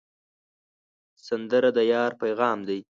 سندره د یار پیغام دی